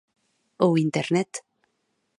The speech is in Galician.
Ou Internet.